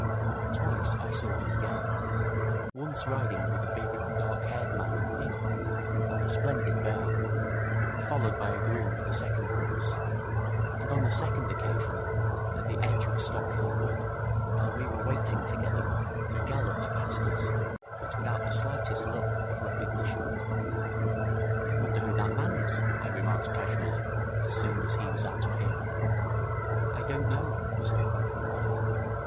Twice I saw him again, once riding with a big, dark haired man in pink, on a splendid bay and followed by a groom with a second horse, and on the second occasion, at the edge of Stockhill Wood while we were waiting together he galloped past us, but without the slightest look of recognition. 'I wonder who that man is?' I remarked casually, as soon as he was out of hearing. 'I don't know,' was her prompt reply.